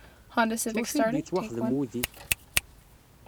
S wacu ay d-yettwaxdem wudi?